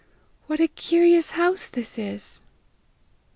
"What a curious house this is!"